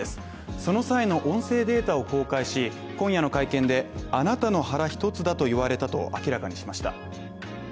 その際の音声データを公開し、今夜の会見で、あなたの腹一つだと言われたと明らかにしました。